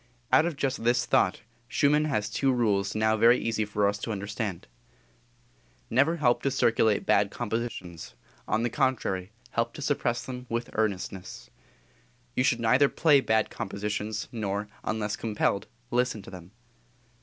Out of just this thought Schumann has two rules now very easy for us to understand: "Never help to circulate bad compositions; on the contrary, help to suppress them with earnestness." "You should neither play bad compositions, nor, unless compelled, listen to them."